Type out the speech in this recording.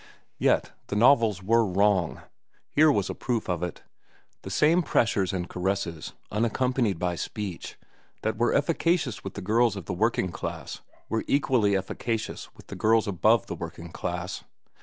Yet the novels were wrong. Here was a proof of it. The same pressures and caresses, unaccompanied by speech, that were efficacious with the girls of the working class, were equally efficacious with the girls above the working class.